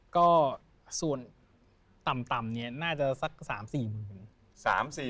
ก็ส่วนต่ำเนี่ยน่าจะสัก๓๔หมื่น